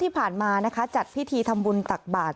ที่ผ่านมานะคะจัดพิธีทำบุญตักบาท